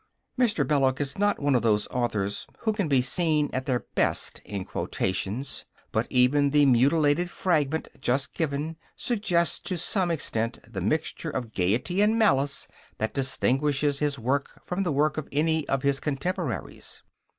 Mr. Belloc is not one of those authors who can be seen at their best in quotations, but even the mutilated fragment just given suggests to some extent the mixture of gaiety and malice that distinguishes his work from the work of any of his contemporaries.